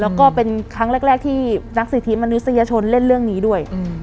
แล้วก็เป็นครั้งแรกที่นักสิทธิมนุษยชนเล่นเรื่องนี้ด้วย